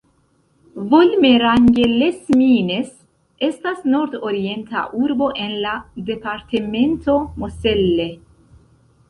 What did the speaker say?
Volmerange-les-Mines estas nordorienta urbo en la departemento Moselle.